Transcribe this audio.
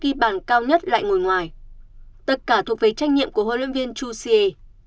tất cả thuộc về trách nhiệm của huấn luyện viên chusie